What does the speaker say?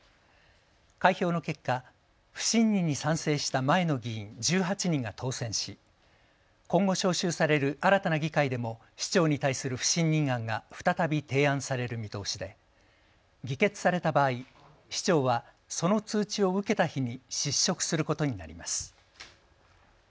開票の結果、不信任に賛成した前の議員１８人が当選し、今後、招集される新たな議会でも市長に対する不信任案が再び提案される見通しで議決された場合、市長はその通知を受けた日に失職することになります。